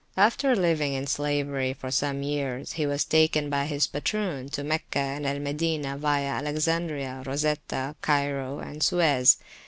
After living in slavery for some years, he was taken by his patroon to Meccah and Al Madinah via Alexandria, Rosetta, Cairo, and Suez.